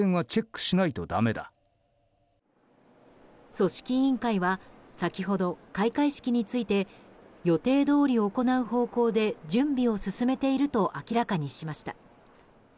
組織委員会は先ほど開会式について予定どおり行う方向で準備を進めていると明らかにしました。